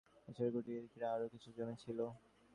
এ-ছাড়া, কুটিরটিকে ঘিরে আরও কিছু জমি ছিল।